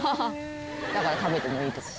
だから食べてもいいって事。